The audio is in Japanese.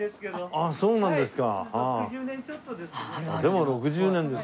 あっそうですか。